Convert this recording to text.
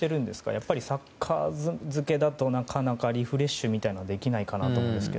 やっぱりサッカー漬けだとなかなかリフレッシュはできないかなと思いますが。